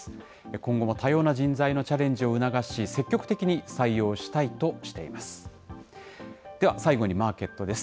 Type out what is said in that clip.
今後も多様な人材のチャレンジを促し、積極的に採用したいとしています。